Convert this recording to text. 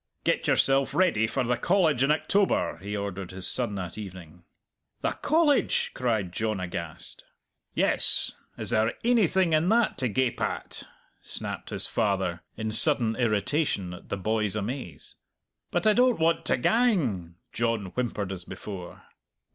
"Get yourself ready for the College in October," he ordered his son that evening. "The College!" cried John aghast. "Yes! Is there ainything in that to gape at?" snapped his father, in sudden irritation at the boy's amaze. "But I don't want to gang!" John whimpered as before.